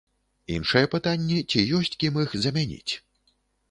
Іншае пытанне, ці ёсць кім іх замяніць.